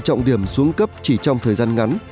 trọng điểm xuống cấp chỉ trong thời gian ngắn